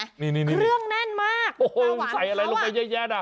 เครื่องแน่นมากปลาหวานของเขาอะใส่อะไรลงไปแย่อะ